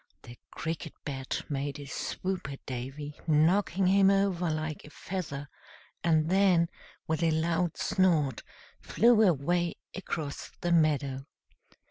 The Cricket Bat made a swoop at Davy, knocking him over like a feather, and then, with a loud snort, flew away across the meadow.